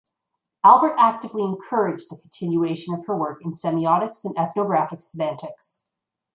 Albert actively encouraged the continuation of her work in semiotics and ethnographic semantics.